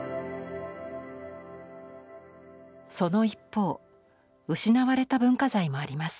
その一方失われた文化財もあります。